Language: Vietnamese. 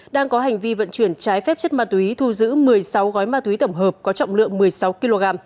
đang có hành vi vận chuyển trái phép chất ma túy thu giữ một mươi sáu gói ma túy tổng hợp có trọng lượng một mươi sáu kg